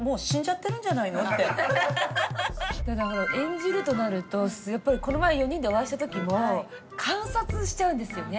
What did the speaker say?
演じるとなるとやっぱりこの前４人でお会いした時も観察しちゃうんですよね。